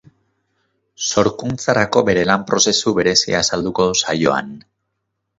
Sorkuntzarako bere lan prozesu berezia azalduko du saioan.